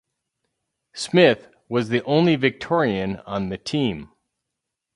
Smith was the only Victorian on the team.